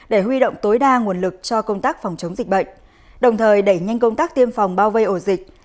để huy động tối đa nguồn lực cho công tác phòng chống dịch bệnh đồng thời đẩy nhanh công tác tiêm phòng bao vây ổ dịch